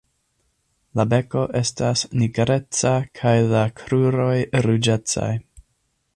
La beko estas nigreca kaj la kruroj ruĝecaj.